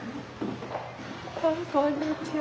こんにちは。